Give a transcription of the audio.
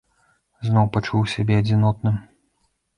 Зноў пачуў сябе адзінотным.